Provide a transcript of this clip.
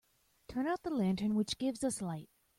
Turn out the lantern which gives us light.